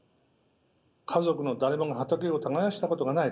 家族の誰もが畑を耕したことがない